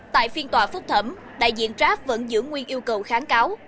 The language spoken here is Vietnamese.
tại phiên tòa phúc thẩm đại diện grab vẫn giữ nguyên yêu cầu kháng cáo